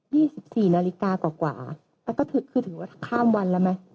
ี่สิบสี่นาฬิกากว่ากว่าแล้วก็คือคือถือว่าข้ามวันแล้วไหม